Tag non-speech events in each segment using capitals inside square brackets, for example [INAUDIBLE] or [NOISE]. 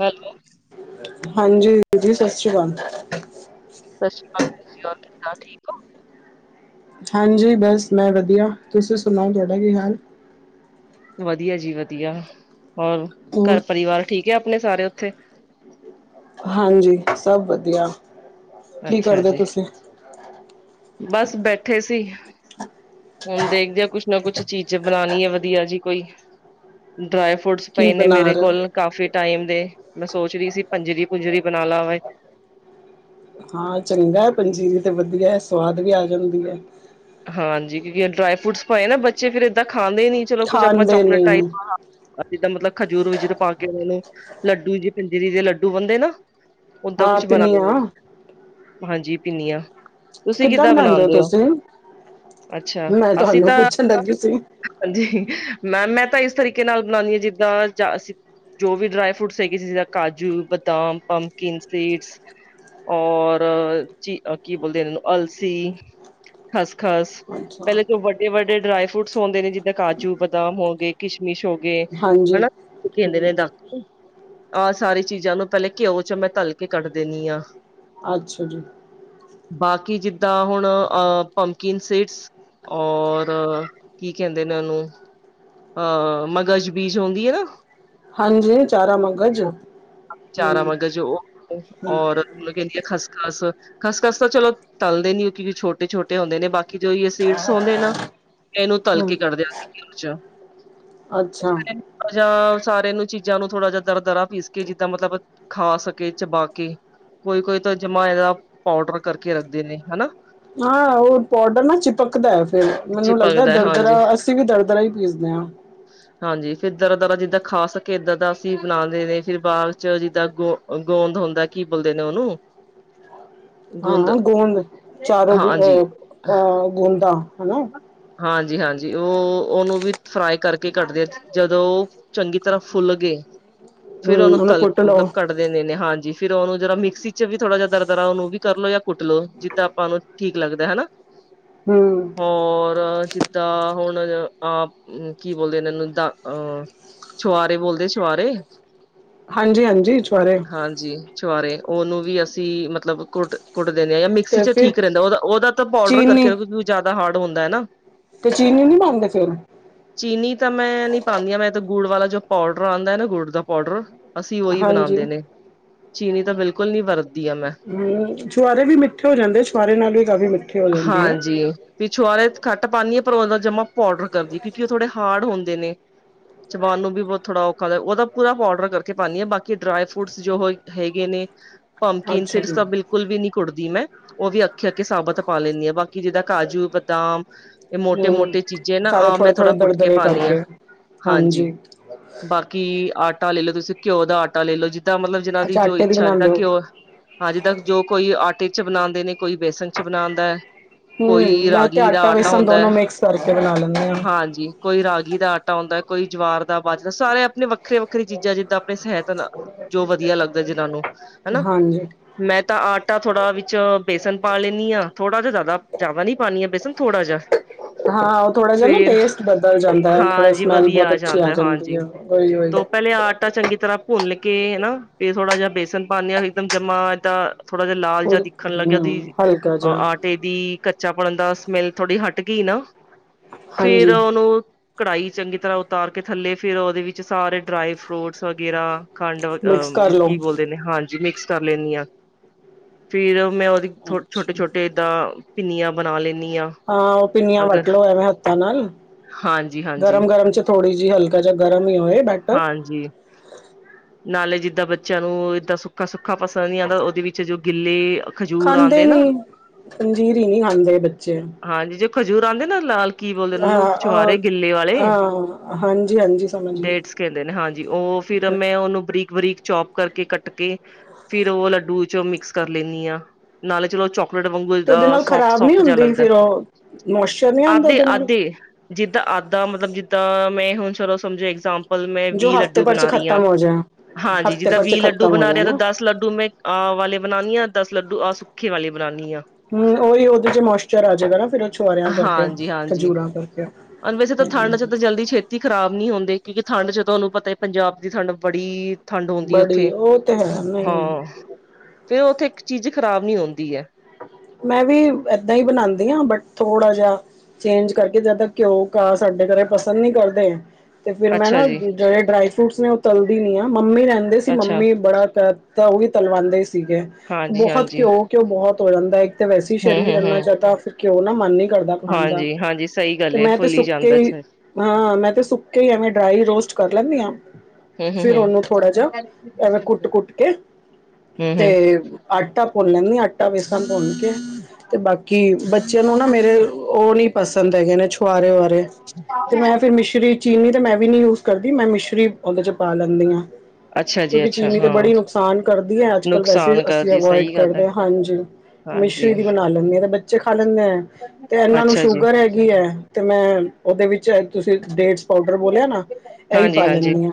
Hello, ਹਾਂਜੀ ਹਾਂਜੀ ਸਤਿ ਸ੍ਰੀ ਅਕਾਲ। ਸਤਿ ਸ਼੍ਰੀ ਅਕਾਲ [UNINTELLIGIBLE] ਠੀਕ ਓ। ਹਾਂਜੀ ਬਸ ਮੈਂ ਵਧੀਆ ਤੁਸੀਂ ਸੁਣਾਓ ਤੁਹਾਡਾ ਕੀ ਹਾਲ ਵਧੀਆ ਜੀ ਵਧੀਆ ਹੋਰ ਘਰ ਹੋਰ ਪਰਿਵਾਰ ਠੀਕ ਐ ਆਪਣੇ ਸਾਰੇ ਉੱਥੇ ਹਾਂਜੀ ਸਭ ਵਧੀਆ ਕੀ ਅੱਛਾ ਕਰਦੇ ਓ ਜੀ, ਤੁਸੀਂ? ਬਸ ਬੈਠੇ ਸੀ। ਹੁਣ ਦੇਖਦੇ ਆ ਕੁਛ ਨਾ ਕੁਛ ਚੀਜ਼ ਬਣਾਣੀ ਐ ਵਧੀਆ ਜੀ ਕੋਈ। ਡਰਾਈ ਫਰੂਟਸ ਕੀ ਪਏ ਨੇ ਬਣਾ ਮੇਰੇ ਰਹੇ ਹੋ ਕੋਲ। ਕਾਫੀ ਟਾਈਮ ਦੇ ਮੈਂ ਸੋਚ ਰੀ ਸੀ ਪੰਜੀਰੀ ਪੰਜੂਰੀ ਬਣਾ ਲਾ ਮੈਂ। ਹਾਂ, ਚੰਗਾ ਐ ਪੰਜੀਰੀ ਤੇ ਵਧੀਆ ਐ ਸਵਾਦ ਵੀ ਆ ਜਾਂਦੀ ਐ। ਹਾਂਜੀ, ਕਿਉਂਕਿ ਡਰਾਈ ਫਰੂਟਸ ਪਾਏ ਨਾ ਬੱਚੇ ਫਿਰ ਇਦਾਂ ਖਾਂਦੇ ਨੀ ਚਲੋ ਕੁੱਛ ਆਪਾਂ ਖਾਣ ਦੇ ਚੋਕਲੇਟ ਨਹੀਂ ਟ [UNINTELLIGIBLE] ਜਿੱਦਾਂ ਮਤਲਬ ਖਜੂਰ ਖਜੂਰ ਪਾ ਕੇ ਉਹਨੂੰ ਲੱਡੂ ਜੀ ਪਜਿਰੀ ਦੇ ਲੱਡੂ ਬਣਦੇ ਨਾ। ਓਦਾਂ ਹਾਂ ਕੁਛ ਬਣਾਲੋ ਪਿੰਨੀਆਂ ਹਾਂਜੀ ਪਿੰਨੀਆ ਤੁਸੀਂ ਕਿੱਦਾਂ ਬਣਾਉਂਦੇ ਹੋ ਬਣਾਂਦੇ ਓ? ਤੁਸੀਂ ਅੱਛਾ ਮੈਂ ਅਸੀਂ ਤੁਹਾਨੂੰ ਤਾਂ ਪੁੱਛਣ ਲੱਗੀ ਸੀ ਹਾਂਜੀ, ਮੈਂ ਮੈਂ ਤਾਂ ਇਸ ਤਰੀਕੇ ਨਾਲ ਬਣਾਨੀ ਆ ਜਿੱਦਾਂ ਚ ਅਸੀਂ ਜੋ ਵੀ ਡਰਾਈ ਫਰੂਟਸ ਹੈਗੇ ਸੀ ਜਿੱਦਾ ਕਾਜੂ, ਬਦਾਮ, ਪੰਪਕੀਨ, ਸੀਡਸ ਔਰ ਚੀ ਕੀ ਬੋਲਦੇ ਉਹਨਾਂ ਨੂੰ ਅਲਸੀ। ਖਸ ਖਸ ਅੱਛਾ ਪਹਿਲੇ ਜੋ ਵੱਡੇ ਵੱਡੇ ਡਰਾਈ ਫਰੂਟਸ ਹੁੰਦੇ ਨੇ ਜਿੱਦਾਂ ਕਾਜੂ ਬਦਾਮ ਹੋਗੇ। ਕਿਸ਼ਮਿਸ਼ ਹੋਗੇ ਹਾਂਜੀ ਹਨਾ [UNINTELLIGIBLE] ਹਮ ਨੇ ਦਾ ਆਹ ਸਾਰੀ ਚੀਜ਼ਾਂ ਨੂੰ ਪਹਿਲੇ ਘਿਓ ਚ ਮੈਂ ਤਲ ਕੇ ਕੱਢ ਦੇਣੀ ਆ। ਅੱਛਾ ਜੀ। ਬਾਕੀ ਜਿੱਦਾਂ ਹੁਣ ਅ ਪੰਪਕੀਨ ਸੀਡਸ ਔਰ ਕੀ ਕਹਿੰਦੇ ਨੇ ਉਹਨੂੰ ਆ ਮਗਜ਼ ਬੀਜ ਹੁੰਦੀ ਆ ਨਾ। ਹਾਂਜੀ ਚਾਰਾ ਮਗਜ ਚਾਰਾ ਮਗਜ਼ ਓ ਹਮ ਔਰ ਕਹਿੰਦੀ ਆ ਖਸ ਖਸ ਖਸਖਸ ਤਾਂ ਚਲੋ ਤਲਦੇ ਨੀ ਕਿਉਕਿ ਛੋਟੇ ਛੋਟੇ ਹੁੰਦੇ ਨੇ ਬਾਕੀ ਕਿ ਜੋ ਓ ਸੀਡਸ ਹੁੰਂਦੇ ਨਾ ਇਹਨੂੰ ਤਲ ਹਮ ਕੇ ਕੱਢਦੇ ਅਸੀਂ ਘਿਓ ਚ ਅੱਛਾ। ਜਾਂ ਸਾਰੇ ਨੂੰ ਚੀਜ਼ਾਂ ਨੂੰ ਥੋੜਾ ਜਾ ਦਰ ਦਰਾ ਪੀਸ ਕੇ ਜਿੱਦਾਂ ਮਤਲਬ ਖਾ ਸਕੇ ਚਬਾ ਕੇ ਕੋਈ-ਕੋਈ ਤਾਂ ਜਮਾ ਇਹਦਾ ਪਾਊਡਰ ਕਰਕੇ ਰੱਖਦੇ ਨੇ ਹਨਾ? ਹਾਂ ਓ ਪਾਡਰ ਨਾ ਚਿਪਕਦਾ ਫੇਰ ਮੈਨੂੰ ਲੱਗਦਾ ਚਿਪਕਦਾ ਹਾਂਜੀ। ਦਰਦਰਾ ਅਸੀਂ ਵੀ ਦਰਦਰਾ ਹੀ ਪੀਸਦੇ ਆ। ਹਾਂਜੀ ਫੇਰ ਦਰਦਰਾਂ ਜੀਦਾਂ ਖਾ ਸਕੇ ਏਦਾਂ ਦਾ ਵੀ ਬਣਾਦੇ ਨੇ ਫੇਰ ਬਾਦ ਚ ਜੀਦਾਂ ਗੋ ਗੋਂਦ ਹੁੰਦਾ ਕੀ ਬੋਲਦੇ ਨੇ ਓਨੂੰ? [INAUDIBLE] ਹਾਂ ਗੋਦ, ਚਾਰੋਂ ਹਾਂਜੀ ਏ ਅ ਗੂੰਦਾਂ ਹਨਾ। ਹਾਂਜੀ-ਹਾਂਜੀ ਓ ਓਨੂੰ ਵੀ ਫਰਾਈ ਕਰਕੇ ਕੱਟਦੇ ਆ ਜਦੋਂ ਚੰਗੀ ਤਰ੍ਹਾਂ ਫੁੱਲ ਗਏ, ਫੇਰ ਓਨੂੰ ਹਮ ਉਹਨੂੰ ਤਲ ਕੁੱਟ ਲਓ ਮਤਲਬ ਕ ਟਦੇਨੇ ਹਾਂਜੀ ਫੇਰ ਓਨੂੰ ਜੇੜਾ ਮੇਕਸੀ ਚ ਵੀ ਥੋੜਾ ਜੇਆ ਦਰਦਰਾ ਓਨੂੰ ਵੀ ਕਰ ਲੋ ਜਾਂ ਕੁੱਟ ਲੋ ਜੀਦਾਂ ਆਪਾਂ ਨੂੰ ਠੀਕ ਲੱਗਦਾ ਹਨਾ। ਹੂੰ। ਹੋਰ ਜਿੱਦਾਂ ਹੁਣ ਅ ਕੀ ਬੋਲਦੇ ਓਨੂੰ ਦਾ ਅ ਛੁਆਰੇ ਬੋਲਦੇ ਛੁਆਰੇ ਹਾਂਜੀ-ਹਾਂਜੀ ਛੁਆਰੇ ਹਾਂਜੀ ਛੁਆਰੇ ਓਨੂੰ ਵੀ ਅਸੀਂ ਮਤਲਬ ਕੁਟ ਕੁੱਟ ਦੇਂਦੇ ਜਾਂ ਮਿਕਸੀ ਤੇ ਚ ਫਿਰ ਠੀਕ ਰੈਂਦਾ ਓਦਾ-ਓਦਾ ਤਾਂ ਪੋਡਰ ਚੀਨੀ ਕਰਕੇ ਕਿਉਂ ਓ ਜਾਦਾ ਹਾਰਡ ਹੁੰਦਾ ਐ ਨਾ। ਤੇ ਚੀਨੀ ਨੀ ਪਾਂਓਂਗੇ ਫੇਰ? ਚੀਨੀ ਤਾਂ ਮੈਂ ਨੀ ਪਾਦੀ ਮੈਂ ਤਾਂ ਗੁੜ ਵਾਲਾ ਜੋ ਪੋਡਰ ਆਦਾ ਨਾ ਗੁੜ ਦਾ ਪੋਡਰ ਅਸੀਂ ਓਹੀ ਹਾਂਜੀ ਬਣਾਦੇ ਨੇ, ਚੀਨੀ ਤਾਂ ਬੇਲਕੁਲ ਨੀ ਵਰਤਦੀ ਆ ਮੈਂ। ਹੂੰ ਛੁਆਰੇ ਵੀ ਮਿੱਠੇ ਹੋ ਜਾਂਦੇ ਛੁਆਰੇ ਨਾਲ ਵੀ ਕਾਫੀ ਮਿੱਠੇ ਹੋ ਜਾਂਦੀ ਐ ਭੀ ਛਆਰੇ ਘੱਟ ਪਾਨੀਂ ਆ ਪਰ ਓਦਾ ਜਮਾ ਪੋਡਰ ਕਰਦੀਏ ਕਿਉਂਕੀ ਓ ਥੋੜੇ ਹਾਡ ਹੁੰਦੇ ਨੇ ਚਬਾਨ ਨੂੰ ਵੀ ਬਹੁ ਥੋੜਾ ਔਖਾ ਦਾ ਓਦਾ ਪੂਰਾ ਪੋਡਰ ਕਰਕੇ ਪਾਨੀ ਆ ਬਾਕੀ ਡਰਾਈ ਫਰੂਟਸ ਜੋ ਹੋ ਹੈੇਗੇ ਨੇ ਅੱਛਾ ਜੀ ਪੰਕੀਨਸੀਕਸ ਤਾਂ ਬਿਲਕੁਲ ਵੀ ਨੀ ਕੁੱਟਦੀ ਮੈਂ ਓ ਵੀ ਅੱਖੇ ਅੱਖੇ ਸਾਬਤ ਪਾ ਲੈਂਨੀ ਆ ਬਾਕੀ ਜੇਦਾਂ ਕਾਜੂ ਬਦਾਮ ਏ ਹਮ ਮੋਟੇ-ਮੋਟੇ ਚੀਜ਼ੇ ਨਾ ਸਾਰੇ ਆ ਮੈਂ ਥੋੜੇ ਥੋੜ੍ਹਾ ਥੋੜੇ ਕੁੱਟ ਕੇ ਦਰਦਰੇ ਪਾਨੀ ਆ ਕਰਕੇ ਹਾਂਜੀ ਬਾਕੀ ਆਟਾ ਲੈ ਲੋ ਤੁਸੀਂ ਕੀਓ ਦਾ ਆਟਾ ਲੈ ਲੋ ਜੀਦਾਂ ਮਤਲਬ ਜਿਨਾਂ ਦੀ ਅੱਛਾ ਜੋ ਆਟੇ ਇੱਛਾ ਬਣਾਉਂਦੇ ਜੀਦਾਂ ਹੋ। ਕੀਓ ਹਾਂਜੀੇ ਜੀਦਾਂ ਜੋ ਕੋਈ ਆਟੇ ਚ ਬਣਾਦੇ ਨੇ ਕੋਈ ਬੇਸਨ ਚ ਬਣਾਦਾ ਐ ਹੂੰ ਕੋਈ ਮੈਂ ਤੇ ਰਾਗੀ ਦਾ ਆਟਾ ਬੇਸਨ ਹੁੰਦਾ ਐ, ਦੋਨੋ ਮਿਕਸ ਕਰਕੇ ਬਣਾ ਲੈਂਦੇ ਆ। ਹਾਂਜੀ ਕੋਈ ਰਾਗੀ ਦਾ ਆਟਾ ਆਦਾ ਕੋਈ ਜਵਾਰ ਦਾ ਬਾਜਦਾ ਸਾਰੇ ਪਣੇ ਵੱਖਰੇ-ਵੱਖਰੇ ਚੀਜ਼ਾਂ ਜੀਦਾਂ ਵੈਸੇ ਹੈ ਤੇ ਨਾ ਜੋ ਵਧੀਆ ਲੱਗਦਾ ਜੀ ਨਾਂ ਨੂੰ ਹਨਾ ਹਾਂਜੀ ਮੈਂ ਤਾਂ ਆਟਾ ਥੋੜਾ ਵੇਚ ਬੇਸਨ ਪਾ ਲੈਂਨੀ ਆ ਥੋੜਾ ਜੇਆ ਜਾਦਾ ਜਾਦਾ ਨੀ ਪਾਨੀ ਆ ਬੇਸਨ ਥੋੜਾ ਜੇਆ ਹਾਂ ਓ ਥੋੜਾ ਜੇਆ ਨਾ ਟੇਸਟ ਬਦਲ ਜਾਂਦਾ ਥੋੜਾ ਹਾਂਜੀ ਸਮੈਲ ਵਧੀਆ ਬੋਤ ਅੱਛੀ ਆ ਜਾਂਦੀ ਐ ਹੀ ਓਈ-ਓਈ ਪੈਲੇ ਆਟਾ ਚੰਗੀ ਤਰ੍ਹਾਂ ਭੁੰਨ ਕੇ ਅਨਾ ਫੇਰ ਥੋੜ੍ਹਾ ਜੇਆ ਬੇਸਨ ਪਾਨੇ ਆ ਏਕਦਮ ਜਮਾਂ ਏਦਾਂ ਥੋੜ੍ਹਾ ਜੇਆ ਲਾਲ ਜੇਆ ਉਹ ਦੀਖਣ ਲਾਗੇਆ ਦੀ ਹੂੰ ਹਲਕਾ ਜਿਹਾ ਅ ਟੇ ਦੀ ਕੱਚਾ ਪਨ ਦਾ ਸਮੈਲ ਥੋੜੀ ਹਟ ਗੀਨਾ ਫੇਰ ਹਾਂਜੀ ਓਨੂੰ ਕੜਾਈ ਚੰਗੀ ਤਰ੍ਹਾਂ ਉਤਾਰ ਕੇ ਥੱਲੇ ਫੇਰ ਓਦੇ ਵਿੱਚ ਸਾਰੇ ਡਰਾਈ ਫਰੂਟਸ ਵਗੈਰਾ ਖੰਡ ਵ ਆ ਮਿਕਸ ਕਰ ਲਓ। ਕੀ ਬੋਲਦੇ ਨੇ ਹਾਂਜੀ ਮਿਕਸ ਕਰ ਲੈਂਨੀ ਆ ਫੇਰ ਮੈਂ ਓਦੀ ਛੋ ਅੱਛਾ ਛੋਟੇ-ਛੋਟੇ ਏਦਾਂ ਪੀਨੀਆਂ ਬਣਾ ਲੈਂਦੀ ਆਂ। ਹਾ ਓ ਪਿੰਨੀਆਂ ਵੱਟਲੋ ਐਵੇਂ ਹੱਥਾਂ, ਨਾਲ ਹਾਂਜੀ ਹਾਂਜੀ ਗਰਮ-ਗਰਮ ਚ ਥੋੜੀ ਜੀ ਹਲਕਾ ਜਾ ਗਰਮ ਈ ਹੋਏ ਬੈ ਹਾਂਜੀ ਨਾਲੇ ਜਿੱਦਾਂ ਬੱਚੇਆਂ ਨੂੰ ਏਦਾਂ ਸੁੱਕਾ ਸੁੱਕਾ ਪਸੰਦ ਨੀ ਆਂਦਾ ਉਹਦੇ ਵਿੱਚ ਜੋ ਗਿੱਲੇ ਖਜੂਰ ਖਾਂਦੇ ਆਂਦੇ ਨਾ ਨੀ ਪੰੰਜੀਰੀ ਨੀ ਖਾਂਦੇ ਬੱਚੇ ਹਾਂਜੀ, ਜੋ ਖਜੂਰ ਆਉਂਦੇ ਨਾ ਲਾਲ ਕੀ ਬੋਲਦੇ ਓਨੂੰ ਛੁਹਾਰੇ ਹਾਂ ਗਿੱਲੇ ਵਾਲੇ ਹਾਂ ਹਾਂਜੀ ਹਾਂਜੀ ਸਮਝ ਗਈ। ਡੇਟਸ ਕੈਂਦੇ ਨੇ ਹਾਂਜੀ ਉਹ ਫੇਰ ਮੈਂ ਓਨੂੰ ਬਰੀਕ-ਬਰੀਕ ਚੋਪ ਕਰਕੇ ਕੱਟ ਕੇ ਫੇਰ ਓ ਲੱਡੂ ਚ ਮਿਕਸ ਕਰ ਲੈਂਦੀ ਆ ਨਾਲੇ ਚਲੋ ਚੌ ਟ ਵਾਂਗੂ ਤੇ ਉਹਦੇ ਨਾਲ ਖ਼ਰਾਬ ਨਹੀਂ ਸੋਫਟ-ਸੋਫਟ ਜਿਹਾ ਹੁੰਦੀ ਲੱਗਦਾ ਫਿਰ ਉਹ ਮੋਇਸਚਰ ਨਹੀਂ ਆਉਂਦਾ ਆਧੇ- ਉਹਦੇ ਨਾਲ ਅੱਧੇ ਜਿੱਦਾਂ ਆੱਦਾ ਮਤਲਬ ਜਿੱਦਾਂ ਮੈਂ ਹੁਣ ਚਲੋ ਸਮਝੋ ਇਗਜਾਮ ਪਲ ਮੈਂ ਜੋ ਵੀਹ ਹਫ਼ਤੇ ਲੱਡੂ ਭਰ ਚ ਬਣਾ ਰਹੀ ਹਾਂ ਖ਼ਤਮ ਹੋ ਜਾ ਹਾਂਜੀ ਹਫ਼ਤੇ ਜਿੱਦਾਂ ਭਰ ਚ ਵੀਹ ਲੱਡੂ ਖ਼ਤਮ ਹੋ ਬਣਾ ਜਾਏ ਰਿਹਾ ਤਾਂ ਨਾ ਦਸ ਲੱਡੂ ਮੈਂ ਆਹ ਵਾਲੇ ਬਣਾਉਣੀ ਆ ਦਸ ਲੱਡੂ ਆਹ ਸੁੱਖੇ ਵਾਲੇ ਬਣਾਉਣੀ ਆ। ਹੂੰ ਓਹੀ ਓਦੇ 'ਚ ਮੋਇਸਚਰ ਆ ਜਾਏਗਾ ਨਾ ਫਿਰ ਓ ਛੁਆਰਿਆਂ ਕਰਕੇ ਖਜੂਰਾਂ ਕਰਕੇ। ਹੁਣ ਵੈਸੇ ਤਾਂ ਠੰਡ 'ਚ ਤਾਂ ਜਲਦੀ ਛੇਤੀਂ। ਛੇਤੀ ਖਰਾਬ ਨੀ ਹੁੰਦੇ ਕਿਉਂਕਿ ਠੰਡ 'ਚ ਤੁਹਾਨੂੰ ਪਤਾ ਪੰਜਾਬ ਦੀ ਠੰਡ ਬੜੀ। ਠੰਡ ਹੁੰਦੀ ਹੈ ਬੜੀ ਉੱਥੇ ਉਹ ਤੇ ਹੈ ਨਹੀਂ ਨਹੀਂ ਹਾਂ ਫੇਰ ਉੱਥੇ ਇੱਕ ਚੀਜ਼ ਖ਼ਰਾਬ ਨੀ ਹੁੰਦੀ ਹੈ। ਮੈਂ ਵੀ ਏਦਾਂ ਹੀ ਬਣਾਂਦੀ ਹਾਂ ਬਟ ਥੋੜਾ ਜਿਹਾ। ਚੇਂਜ ਕਰਕੇ ਜ਼ਿਆਦਾ ਘਿਓ ਘਾਹ ਸਾਡੇ ਘਰੇ ਪਸੰਦ ਨੀ ਕਰਦੇ। ਤੇ ਫੇਰ ਮੈਂ ਅੱਛਾ ਨਾ ਜੀ, ਜੇੜੇ ਡਰਾਈ ਫਰੂਟਸ ਨੇ ਓ ਤਲਦੀ ਨੀ ਆ ਮੰਮੀ ਰਹਿੰਦੇ ਸੀ ਅੱਛਾ ਮੰਮੀ ਬੜਾ। ਤਾਂ ਓਵੀ ਤਲਵਾਉਂਦੇ ਹੀ ਸੀਗੇ ਹਾਂਜੀ, ਬਹੁਤ ਹਾਂਜੀ ਘਿਉ ਘਿਓ ਬਹੁਤ ਹੋ ਜਾਂਦਾ ਹੈ। ਤੇ ਵੈਸੇ ਇੱਕ ਹੂੰ, ਤਾਂ ਸਰੀਰ ਹੂੰ, ਏਨਾ ਹੂੰ ਜਿਆਦਾ। ਘਿਓ ਨਾ ਮਨ ਨੀ ਕਰਦਾ ਖਾਣ ਦਾ ਹਾਂਜੀ, ਹਾਂਜੀ ਸਹੀ ਗੱਲ ਤੇ ਏ ਮੈਂ ਤੇ ਫੁੱਲੀ ਸੁੱਕੇ ਜਾਂਦਾ ਚ। ਹੀ। ਹੂੰ, ਹਾਂ, ਮੈਂ ਤੇ ਸੁੱਕੇ ਐਵੇਂ ਡਰਾਈ ਰੋਸਟ ਕਰ ਲੈਂਦੀ ਹਾਂ। ਹੂੰ, ਹੂੰ, ਫੇਰ ਉਹਨੂੰ ਥੋੜ੍ਹਾ ਜਿਹਾ ਐਵੇਂ ਕੁੱਟ-ਕੁੱਟ ਕੇ ਹੂੰ, ਤੇ। ਹੂੰ ਆਟਾ ਭੁੰਨ ਲੈਣੀ ਆਂ ਆਟਾ ਵੇਸਣ ਭੁੰਨ ਕੇ ਤੇ ਬਾਕੀ। ਬੱਚੇ ਆਂ ਨੂੰ ਨਾ ਮੇਰੇ ਓ ਨੀ ਪਸੰਦ ਹੈਗੇ ਨੇ ਛੁਆਰੇ ਉੁਆਰੇ ਤੇ ਮੈਂ ਫੇਰ ਮਿਸ਼ਰੀ। ਚੀਨੀ ਤਾਂ ਮੈਂ ਵੀ ਨੀ ਯੂਜ ਕਰਦੀ ਮੈਂ ਮਿਸ਼ਰੀ ਓਦੇ 'ਚ ਪਾ ਲੈਂਦੀ ਹਾਂ। ਅੱਛਾ ਜੀ, ਕਿਉਂਕਿ ਅੱਛਾ ਚੀਨੀ ਤੇ ਹਾਂ ਬੜੀ ਨੁਕਸਾਨ ਕਰਦੀ ਹੈ ਅੱਜ ਕੱਲ ਵੈਸੇ ਨੁਕਸਾਨ ਅਸੀਂ ਕਰਦੀ ਅਵੋਇਡ ਸਹੀ ਗੱਲ ਹੈ। ਕਰਦੇ ਹਾਂ ਹਾਂਜੀ। ਤੇ ਹਾਂਜੀ, ਮਿਸ਼ਰੀ ਦੀ ਬਣਾ ਲੈਂਦੇ ਆ ਤੇ ਬੱਚੇ ਖਾ ਲੈਂਦੇ ਆ ਤੇ ਇਹਨਾਂ ਨੂੰ ਅੱਛਾ ਜੀ, ਸ਼ੂਗਰ ਹੈ। ਕਿਆ ਤੇ ਮੈਂ ਉਹਦੇ ਵਿੱਚ ਤੁਸੀਂ। ਪਾਊਡਰ ਬੋਲਿਆ ਨਾ ਏਹੀ ਹਾਂਜੀ, ਪਾ ਹਾਂਜੀ ਲੈਂਦੀ ਹਾਂ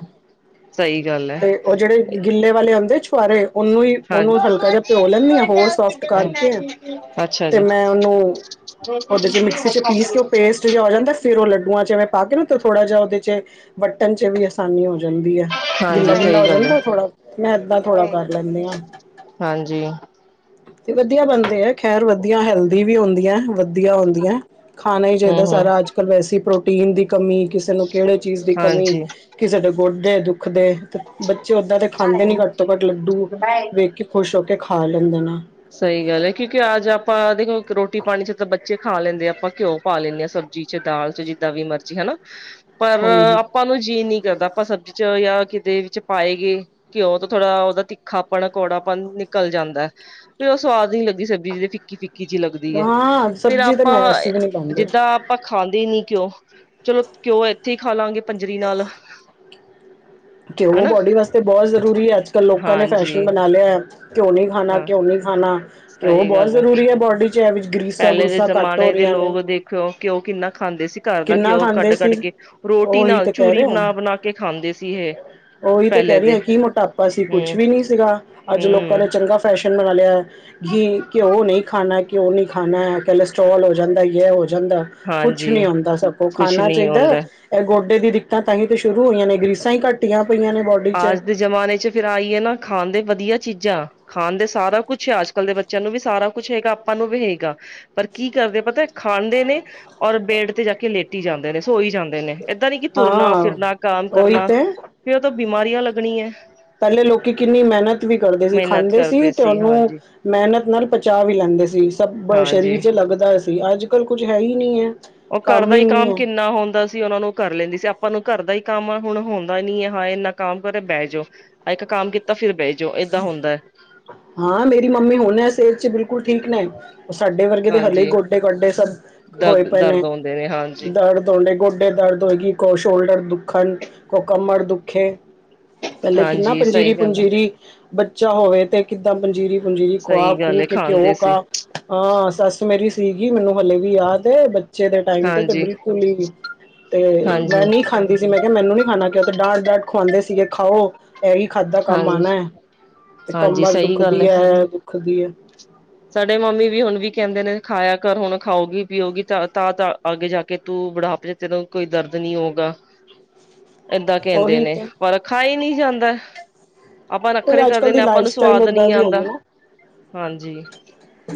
ਸਹੀ ਗੱਲ ਤੇ ਓ ਜੇੜੇ ਹੈ। ਗਿੱਲੇ। ਵਾਲੇ ਆਉਂਦੇ ਛਆਰੇ ਉਹਨੂੰ ਹੀ ਹਾਂਜੀ, ਉਹਨੂੰ ਹਲਕਾ ਜਿਹਾ ਭਿਓ ਲੈਂਦੀ ਆ ਹੋਰ ਸੋਫਟ। ਕਰਕੇ ਅੱਛਾ ਤੇ ਜੀ, ਮੈਂ ਓਨੂੰ ਓਦੇ 'ਚ ਮਿਕਸੀ 'ਚ ਪੀਸ ਕੇ ਓ ਪੇਸਟ। ਜਿਹਾ ਹੋ ਜਾਂਦਾ ਫਿਰ ਉਹ ਲੱਡੂਆਂ 'ਚ ਐਵੇਂ ਪਾ ਕੇ ਨਾ ਥੋੜਾ ਜਿਹਾ ਓਦੇ 'ਚ। ਵੱਟਣ 'ਚ ਵੀ ਆਸਾਨੀ ਹੋ ਜਾਂਦੀ ਹੈ। ਹਾਂਜੀ ਗਿੱਲਾ-ਗਿੱਲਾ ਸਹੀ ਹੋ ਗੱਲ ਐ। ਜਾਂਦਾ ਥੋੜ੍ਹਾ। ਮੈਂ ਇੱਦਾਂ ਥੋੜਾ ਕਰ ਲੈਂਦੇ ਹਾਂ। ਹਾਂਜੀ। ਤੇ ਵਧੀਆ ਬਣਦੇ ਹੈ। ਖੈਰ ਵਧੀਆ ਹੈਲਦੀ ਵੀ ਹੁੰਦੀਆਂ ਹੈ। ਵਧੀਆ ਹੁੰਦੀਆਂ ਖਾਣਾ ਈ ਚਾਈਦਾ ਹੂੰ-ਹੂੰ, ਸਾਰਾ ਅੱਜ ਕੱਲ ਵੈਸੇ ਪ੍ਰੋਟੀਨ ਦੀ ਕਮੀ ਕਿਸੇ ਨੂੰ ਕੇੜੇ ਚੀਜ਼ ਦੀ ਕਮੀ ਹਾਂਜੀ। ਕਿਸੇ ਦੇ ਗੋਡੇ ਦੁੱਖ ਦੇ। ਬੱਚੇ ਓਦਾਂ ਤੇ ਖਾਂਦੇ ਨੀ ਘੱਟ ਤੋਂ ਘੱਟ ਲੱਡੂ ਵੇਖ ਕੇ ਖੁਸ਼ ਹੋ ਕੇ ਖਾ ਲੈਂਦੇ ਨੇ। ਸਈਗੱਲ ਹੈ ਕਿਉਂਕਿ ਅੱਜ ਆਪਾਂ ਦੇਖੋ ਰੋਟੀ ਪਾਣੀ 'ਚ ਤਾਂ ਬੱਚੇ ਖਾ ਲੈਂਦੇ ਆਪਾਂ ਘਿਉਂ। ਪਾ ਲੈਂਣੇ ਆ ਸਬਜ਼ੀ 'ਚ ਦਾਲ 'ਚ ਜਿੱਦਾਂ ਵੀ ਮਰਜੀ ਹਨਾ ਪਰ। ਹਾਂਜੀ ਆਪਾਂ ਨੂੰ ਜੀਅ ਨੀ ਕਰਦਾ ਆਪਾਂ ਸਬਜ਼ੀ 'ਚ ਜਾਂ ਕਿਤੇ ਵਿੱਚ ਪਾਏ ਗਏ। ਘਿਓ ਤੋਂ ਥੋੜਾ ਓਦਾ ਤਿੱਖਾਪਣ ਕੌੜਾਪਣ ਨਿਕਲ ਜਾਂਦਾ ਹੈ। ਫੇਰ ਓ ਸਵਾਦ ਨੀ ਲੱਗੀ ਸਬਜ਼ੀ ਜਿਦਾ ਫਿੱਕੀ ਫਿੱਕੀ ਜੀ ਲੱਗਦੀ ਹੈ ਹਾਂ ਫੇਰ ਸਬਜ਼ੀ ਤਾਂ ਆਪਾਂ ਮੈਂ ਅਸੀਂ ਵੀ ਨਹੀਂ ਪਾਉਂਦੇ ਜਿੱਦਾਂ। ਆਪਾਂ ਖਾਂਦੇ ਨੀ ਘਿਓ, ਚਲੋ ਘਿਓ ਏਥੇ ਈ ਖਾ ਲਾਂਗੇ ਪੰਜਰੀ ਨਾਲ। ਘਿਓ ਹਨਾ ਬੋਡੀ ਵਾਸਤੇ ਬਹੁ ਜ਼ਰੂਰੀ ਐ ਅੱਜ-ਕੱਲ ਲੋਕਾਂ ਨੇ ਹਾਂਜੀ ਫੈਸ਼ਨ ਬਨਾ ਲਿਆ ਐ। ਘਿਓ ਨਈ ਖਾਨਾ ਹਾਂ ਘਿਓ ਨਈ ਖਾਨਾ, ਘਿਓ ਬਹੁ ਜ਼ਰੂਰੀ ਐ ਬੋਡੀ ਚ ਐਹ ਪੈਲੇ ਦੇ ਜ਼ਮਾਨੇ ਦੇ ਲੋਕ ਦੇਖੇਓ ਘਿਓ ਕਿੰਨਾ ਖਾਂਦੇ ਸੀ ਘਰ ਦਾ ਕਿੰਨਾ ਘਿਓ ਖਾਂਦੇ ਸੀ ਕੱਡ-ਕੱਡ ਕੇ। ਰੋਟੀ ਉਹੀ ਨਾਲ ਤੇ ਕਹਿ ਚੂਰੀ ਬਨਾ-ਬਨਾ ਕੇ ਖਾਂਦੇ ਸੀ ਏਹ। ਓਹੀ ਤੇ ਕੈ ਰਈ ਆਂ ਕੀ ਮੋਟਾਪਾ ਸੀ ਕੁਛ ਹਮ ਵੀ ਨੀ ਸੀਗਾ, ਅੱਜ ਲੋਕਾਂ ਹਮ ਨੇ ਚੰਗਾ ਫੈਸ਼ਨ ਬਨਾ ਲਿਆ। ਘੀ ਘਿਓ ਨਈ ਖਾਨਾ ਘਿਓ ਨਈ ਖਾਨਾ ਐ ਕੈਲੋਸਟ੍ਰੋਲ ਹੋ ਜਾਂਦਾ ਯੈ ਹੋ ਜਾਂਦੈ। ਕੁਛ ਹਾਂਜੀ ਨੀ ਹੁੰਦਾ ਸਗੋਂ ਕੁਛ ਖਾਨਾ ਨੀ ਚਈਦਾ। ਹੁੰਦਾ ਐ ਗੋਡੇ ਦੀ ਦਿੱਕਤਾਂ ਤਾਂਈਓ ਤਾਂ ਸ਼ੁਰੂ ਹੋਈਆਂ ਨੇ ਗਰੀਸਾਂ ਈ ਘੱਟੀਆਂ ਪਈਆਂ ਨੇ ਬੋਡ ਆਜ ਦੇ ਜਮਾਨੇ ਚ ਫੇਰ ਆਈਏ ਨਾ ਖਾਨ ਦੇ ਵਦੀਆ ਚੀਜ਼ਾਂ। ਖਾਨ ਦੇ ਸਾਰਾ ਕੁਛ ਐ ਅੱਜ-ਕੱਲ ਦੇ ਬੱਚਿਆਂ ਨੂੰ ਵੀ ਸਾਰਾ ਕੁਛ ਹੈਗਾ ਆਪਾਂ ਨੂੰ ਵੀ ਹੈਗਾ। ਪਰ ਕੀ ਕਰਦੇ ਐ ਪਤਾ ਖਾਂਦੇ ਨੇ, ਔਰ ਬੈਡ ਤੇ ਜਾ ਕੇ ਲੇਟੀ ਜਾਂਦੇ ਨੇ ਸੋਈ ਜਾਂਦੇ ਨੇ। ਏਦਾਂ ਨੀ ਕਿ ਤੁਰਨਾ, ਹਾਂ ਫਿਰਨਾ, ਕਾਮ ਉਹੀ ਕਰਨਾ, ਫੇਰ ਓ ਤਾਂ ਬਿਮਾਰੀਆਂ ਲਗਨੀਐ। ਪੈਲੇ ਲੋਕੀ ਕਿੰਨੀ ਮਿਹਨਤ ਵੀ ਕਰਦੇ ਸੀ, ਮਿਹਨਤ ਖਾਂਦੇ ਸੀ ਕਰਦੇ ਤੇ ਓਨੂੰ ਹਾਂਜੀ ਮਿਹਨਤ ਨਾਲ ਪਚਾ ਵੀ ਲੈਂਦੇ ਸੀ ਸਭ ਸਰੀਰ ਹਾਂਜੀ ਚ ਲੱਗਦਾ ਸੀ ਅੱਜ-ਕੱਲ ਕੁੱਝ ਹੈ ਈ ਨਈ ਐ। ਓ ਕਰ ਦਾ ਈ ਕੰਮ ਕਿੰਨਾ ਹੁੰਦਾ ਸ ਓਨਾਂ ਨੂੰ ਕਰ ਲੈਂਦੀ ਸੀ ਆਪਾਂ ਨੂੰ ਘਰ ਦਾ ਈ ਕੰਮ ਐ ਹੁਨ ਹੁੰਦਾ ਨੀ ਐ ਹਾਂ ਏਨਾ ਕੰਮ ਕਰੇ ਬਹ ਜਾਓ। ਇੱਕ ਕੰਮ ਕੀਤਾ ਫਿਰ ਬੈ ਹਾਂ ਮੇਰੀ ਮੰਮੀ ਹੁਨ ਏਸ ਏਜ਼ ਚ ਬਿਲ ਬਿਲਕੁਲ ਠੀਕ ਨੇ, ਸਾਡੇ ਵਰਗੇ ਦੇ ਹਲੇ ਹਾਂਜੀ ਗੋਡੇ ਗਾਡੇ ਸਭ ਹੋਏ ਪਏ ਨੇ। ਦੇ ਹਨ। ਦਰਦ ਹੋਨਦੇ ਗੋਡੇ ਦਰਦ ਹੋਏਗੀ ਇਕ ਓ ਸ਼ੋਲਡਰ ਦੁੱਖਨ ਕੋਈ ਕਮਰ ਦੁੱਖੇ, ਪੈਲੇ ਕਿੰਨਾ ਹਾਂਜੀ ਸਹੀ ਪੰਜੀਰੀ ਗੱਲ ਹੈ ਪੁੰਜੀਰੀ ਬੱਚਾ ਹੋਵੇ ਤੇ ਕਿੱਦਾਂ ਪੰਜੀਰੀ ਪੁੰਜੀਰੀ ਖੁਆ ਸਹੀ ਗੱਲ ਖੂਆ ਹੈ ਕੇ ਘਿਓ ਖਾਂਦੇ ਸੀ ਘਾ ਹਾਂ ਸੱਸ ਮੇਰੀ ਸੀਗੀ ਮੈਨੂੰ ਹਲੇ ਵੀ ਯਾਦ ਏ ਬੱ ਬੱਚੇ ਦੇ ਟਾਈਮ ਤੇ ਹਾਂਜੀ ਬਿਲਕੁਲ ਈ ਨੀ ਤੇ ਮੈਂ ਹਾਂਜੀ ਨੀ ਖਾਂਦੀ ਸੀ ਮੈਂ ਕਿਆ ਮੈਨੂੰ ਨੀ ਖਾਨਾ ਕਿ ਓ ਤਾਂ ਡਾਂਟ-ਡਾਂਟ ਖੁਵਾਂਦੇ ਸੀਗੇ ਖਾਓ ਓਈ ਖਾਦਾ ਕੰਮ ਹਾਂਜੀ ਆਨੈ। ਤੇ ਹਾਂਜੀ ਕਮਰ ਸਹੀ ਗੱਲ ਦੁੱਖਦੀ ਹੈ ਐ ਦੁੱਖਦੀ ਐ। ਸਾਡੇ ਮੰਮੀ ਵੀ ਹੁਨ ਵੀ ਕੈਂਦੇ ਨੇ ਖਾਏਆ ਕਰ ਹੁਨ ਖਾਓਗੀ ਪੀਓਗੀ ਤਾਂ ਤਾ-ਤਾ ਆਗੇ ਜਾ ਕੇ ਤੂੰ ਬਡਾਪੇ ਚ ਤੇਰਾ ਕੋਈ ਦਰਦ ਨੀ ਹੋਗਾ। ਏਦਾਂ ਕੈਂਦੇ ਉਹੀ ਨੇ ਤੇ ਪਰ ਖਾਈ ਨੀ ਜਾਂਦਾ। ਆਪਾਂ ਕੋਈ ਨੱਖਰੇ ਅੱਜ ਕਰ ਕੱਲ ਦਿੰਦੇ ਦੀ ਆਂ ਆਪਾਂ ਲਾਈਫ ਨੂੰ ਸਟਾਈਲ ਸਵਾਦ ਨੀ ਏਦਾਂ ਦੀ ਹੋ ਆਂਦਾ, ਹਾਂਜੀ।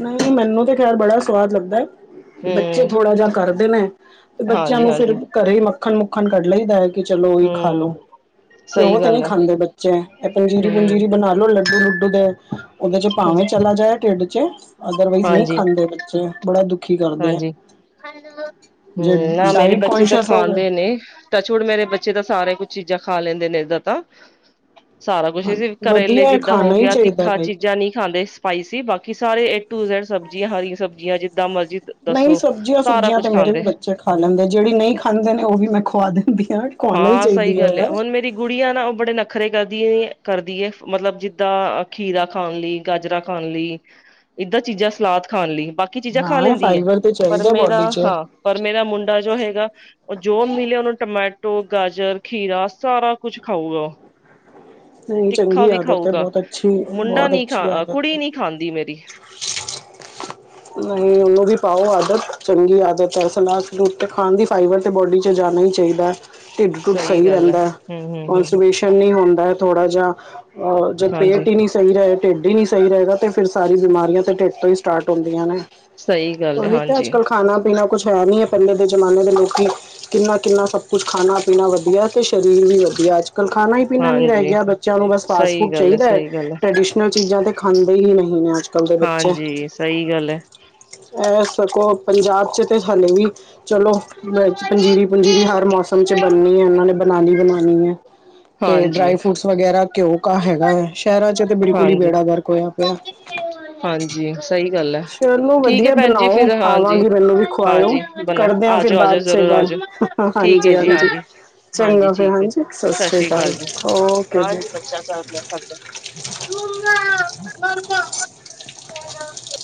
ਨਈ ਮੈਨੂੰ ਤੇ ਖੈਰ ਬੜਾ ਸਵਾਦ ਲੱਗਦੈ। ਬੱਚੇ ਹਮ ਥੋੜਾ ਜਾ ਕਰਦੇ ਨੇ, ਤੇ ਬੱਚਿਆਂ ਹਾਂਜੀ ਨੂੰ ਫਿਰ ਹਾਂਜੀ ਘਰੇ ਈ ਮੱਖਣ ਮੁੱਖਣ ਕੱਢ ਲਈਦਾ ਐ। ਕਿ ਚਲੋ ਓਈ ਖਾ ਲੋੋ, ਹਮ ਘਿਓ ਸਹੀ ਤੇ ਨੀ ਗੱਲ ਹੈ ਖਾਂਦੇ ਬੱ ਚੇ ਏ ਪੰਜੀਰੀ ਪੁੰਜੀਰੀ ਹਮ ਬਨਾ ਲੋ ਲੱਡੂ ਲੁੱਡੂ ਦੇ ਓਦੇ ਚ ਭਾਵੇਂ ਚਲਾ ਜਾਏ ਢਿੱਡ ਚ ਅਦਰਵਾਈਜ਼ ਨਈ ਹਾਂਜੀ ਖਾਂਦੇ ਬੱਚੇ ਬੜਾ ਦੁਖੀ ਕਰਦੇ ਐ। ਹੈਲੋ, ਹੂੰ ਨਾ ਮੇਰੇ ਬੱਚੇ ਤਾਂ ਕੌਨਸ਼ੀਅਸ ਹੋ ਖਾਂਦੇ ਗਏ ਨੇ। ਟੱਚਵੁੱਡ ਮੇਰੇ ਬੱਚੇ ਤਾਂ ਸਾਰੇ ਕੁੱਝ ਚੀਜ਼ਾਂ ਖਾ ਲੈਂਦੇ ਨੇ ਏਦਾਂ ਤਾਂ। ਸਾਰਾ ਕੁਛ ਕਰੇਲੇ ਵਧੀਆ ਜਿੱਦਾਂ ਹੋ ਖਾਣਾ ਹੀ ਗਿਆ ਚਾਹੀਦਾ ਤਿੱਖਾ ਬਈ ਚੀਜ਼ਾਂ ਨੀ ਖਾਂਦੇ। ਪਾਈ ਸੀ ਬਾਕੀ ਸਾਰੇ ਏ ਟੂ ਜੈਡ ਸਬਜ਼ੀਆਂ ਹਰੀ ਸਬਜ਼ੀਆਂ ਜਿੱਦਾਂ ਮਰਜ਼ੀ ਨਈ ਦੱਸੋ ਸਬਜ਼ੀਆਂ ਸਾਰਾ ਸੁਬਜ਼ੀਆਂ ਕੁਛ ਤੇ ਮੇਰੇ ਵੀ ਖਾਂਦੇ ਬੱਚੇ ਖਾ ਲੈਂਦੇ ਜੇੜੀ ਨਈ ਖਾਂਦੇ ਨੇ ਓ ਵੀ ਮੈਂ ਖੁਵਾ ਦਿੰਦੀ ਆਂ। ਖਵਾਨਾ ਈ ਚਈਦੀ ਐ ਯਾਰ। ਗੁੜੀਆਂ ਨਾ ਓ ਬੜੇ ਨਖਰੇ ਕਰਦੀ ਐ-ਕਰਦੀ ਐ ਮਤਲਬ ਜਿੱਦਾਂ ਖੀਰਾ ਖਾਨ ਲਈ। ਗਾਜਰਾਂ ਖਾਨ ਲਈ, ਏਦਾਂ ਚੀਜ਼ਾਂ ਸਲਾਦ ਖਾਨ ਲਈ ਬਾਕ ਹਾਂ ਫਾਈਵਰ। ਪਰ ਮੇਰਾ ਹਾਂ, ਪਰ ਮੇਰਾ ਮੁੰਡਾ ਜੋ ਹੈਗਾ ਜੋ ਮਿਲਿਆ ਓਨੂੰ ਟਮੈਟੋ, ਗਾਜਰ, ਖੀਰਾ ਸਾਰਾ ਕੁਝ ਖਾਊਗਾ। ਨਹੀਂ ਤਿੱਖਾ ਚੰਗੀ ਵੀ ਆਦਤ ਹੈ ਖਾਊਗਾ, ਬਹੁਤ ਅੱਛੀ ਮੁੰਡਾ ਬਹੁਤ ਨਈਂ ਅੱਛੀ ਖਾ ਆਦਤ ਕੁੜੀ ਨਈਂ ਖਾਂਦੀ ਮੇਰੀ। ਨਈ ਓਨੂੰ ਵੀ ਪਾਓ ਆਦਤ, ਚੰਗੀ ਆਦਤ ਹੈ ਸਲਾਦ ਸਲੂਦ ਤੇ ਖਾਣ ਦੀ। ਫਾਈਬਰ ਤਾ ਬੋਡੀ ਚ ਜਾਣਾ ਹੀ ਚਾਹੀਦਾ, ਢਿੱਡ ਟੁਡ ਸਹੀ ਸਈ ਗੱਲ ਹੈ ਰਹਿੰਦਾ, ਹਮ ਹਮ ਹਮ ਕੋਨਸੁਬੇਸ਼ਨ। ਨੀ ਹੁੰਦਾ ਹੈ ਥੋੜਾ ਜਿਹਾ, ਅਹ ਜਦ ਹਾਂਜੀ ਪੇਟ ਹੀ ਨਈ ਸਹੀ ਰਹੇ ਢਿੱਡ ਹੀ ਨਹੀਂ ਸਹੀ ਰਹੇਗਾ ਤੇ ਫਿਰ ਸਾਰੀ ਬਿਮਾਰੀਆਂ ਤਾਂ ਢਿੱਡ ਤੋਂ ਹੀ ਸਟਾਰਟ ਹੁੰਦੀਆਂ ਨੇ। ਸਹੀ ਗੱਲ ਹੈ ਓਹੀ ਤਾ ਹਾਂਜੀ ਅੱਜ-ਕੱਲ੍ਹ ਖਾਣਾ ਪੀਣਾ ਕੁਝ ਹੈ ਨਹੀਂ ਪਹਿਲੇ ਦੇ ਜ਼ਮਾਨੇ ਦੇ ਲੋਕੀ ਕਿੰਨਾ-ਕਿੰਨਾ ਸਭ ਕੁਛ ਖਾਣਾ-ਪੀਣਾ ਵਧੀਆ ਤੇ ਸਰੀਰ ਵੀ ਵਧੀਆ ਅੱਜ। ਕੱਲ ਖਾਣਾ ਹੀ ਪੀਣਾ ਨੀ ਰਹਿ ਹਾਂਜੀ ਗਿਆ ਬੱਚਿਆਂ ਨੂੰ ਬਸ ਫਾਸਟ ਸਹੀ ਫੂਡ ਗੱਲ ਚਾਹੀਦਾ ਹੈ ਸਹੀ ਗੱਲ ਟ੍ਰੈਡੀਸ਼ਨਲ ਚੀਜ਼ਾਂ ਤੇ ਖਾਂਦੇ ਈ ਨਈਂ ਏ ਅੱਜ। ਕੱਲ ਦੇ ਬੱਚੇ ਹਾਂਜੀ, ਸਈ ਗੱਲ ਏ। ਇਹ ਸਗੋਂ ਪੰਜਾਬ ਚ ਤੇ ਹਾਲੇ ਵੀ ਚਲੋ ਵੇਜ ਪੰਜੀਰੀ-ਪੰਜੀਰੀ ਹਰ ਮੌਸਮ ਚ ਬਣਨੀ ਹੈ ਇਹਨਾਂ ਨੇ ਬਣਾਣੀ-ਬਣਾਣੀ ਏ। ਤੇ ਹਾਂਜੀ ਡਰਾਈ ਫਰੂਟਸ ਵਗੈਰਾ ਘਿਉ ਕ ਹੈਗਾ ਹੈ, ਸ਼ਹਿਰਾਂ ਚ ਤੇ ਬਿਲਕੁਲ ਹੀ ਹਾਂਜੀ ਬੇੜਾ ਗਰਕ ਹੋਇਆ ਪਿਆ। ਹਾਂਜੀ ਸਈ ਗੱਲ ਏ, ਚਲੋ ਠੀਕ ਏ ਵਧੀਆ ਭੈਣ ਜੀ ਬਣਾਓ ਫਿਰ ਹਾਂਜੀ, ਆਵਾਂਗੀ ਮੈਨੂੰ ਵੀ ਖਵਾਇਓ ਹਾਂਜੀ। ਬੰਨਾ, ਕਰਦੇ ਆ ਫਿਰ ਜਓ ਆ ਜਓ ਬਾਅਦ 'ਚ ਜ਼ਰੂਰ ਆ ਗੱਲ ਜਓ, ਠੀਕ ਹੈ ਜੀ ਹਾਂਜੀ। ਹਾਂਜੀ ਚੰਗਾ ਫਿਰ ਠੀਕ ਹੈ ਹਾਂਜੀ ਸਤਿ ਸ਼੍ਰੀ ਸ੍ਰੀ ਕਾਲ ਜੀ ਅਕਾਲ ਓਕੇ ਜੀ ਹਾਂਜੀ। [INAUDIBLE] [INAUDIBLE]